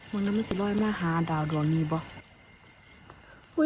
มันน่ะมันซีบร้อยมาหาดาวกรองนี้บ่ะ